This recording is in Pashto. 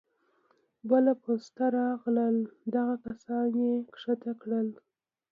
بله پسته راغله دغه کسان يې کوز کړه.